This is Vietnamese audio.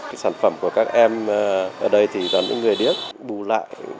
cái sản phẩm của các em ở đây thì do những người biết bù lại